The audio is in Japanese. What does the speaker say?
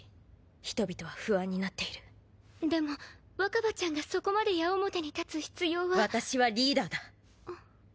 人々は不安になっているでも若葉ちゃんがそこまで矢面に立つ必要は私はリーダーだあっ